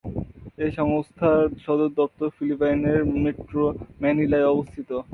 এই সংস্থার সদর দপ্তর ফিলিপাইনের মেট্রো ম্যানিলায় অবস্থিত।